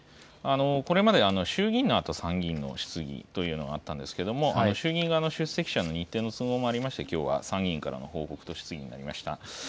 これまで衆議院のあと、参議院の質疑というのはあったんですけれども、衆議院側の出席者の日程の都合もありまして、きょうは参議院からの報告と質疑になりました。